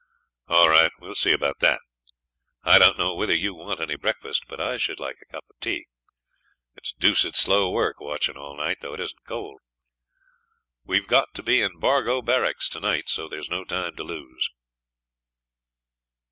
'All right; we'll see about that. I don't know whether you want any breakfast, but I should like a cup of tea. It's deuced slow work watching all night, though it isn't cold. We've got to be in Bargo barracks to night, so there's no time to lose.'